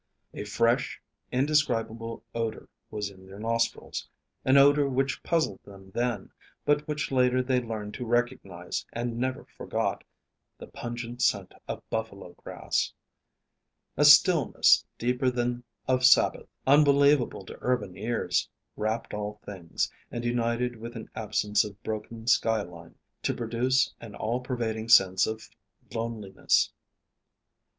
A fresh, indescribable odor was in their nostrils; an odor which puzzled them then, but which later they learned to recognize and never forgot the pungent scent of buffalo grass. A stillness, deeper than of Sabbath, unbelievable to urban ears, wrapped all things, and united with an absence of broken sky line, to produce an all pervading sense of loneliness.